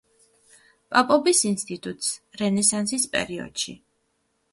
პაპობის ინსტიტუტს რენესანსის პერიოდში.